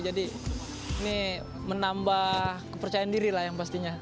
jadi ini menambah kepercayaan diri lah yang pastinya